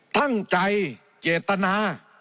ตั้งใจเจตนา